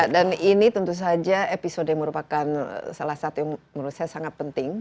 dan ini tentu saja episode yang merupakan salah satu yang menurut saya sangat penting